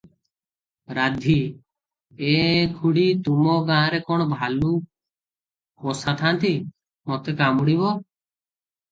ରାଧୀ -ଏଁ -ଏଁ ଖୁଡ଼ି! ତୁମ ଗାଁରେ କଣ ଭାଲୁ ପୋଷା ଥାନ୍ତି, ମତେ କାମୁଡ଼ିବ?